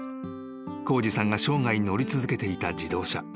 ［浩二さんが生涯乗り続けていた自動車］